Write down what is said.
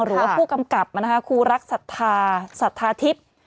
หรือว่าผู้กำกับนะคะครูรักศรัทธาสัทธาทิพย์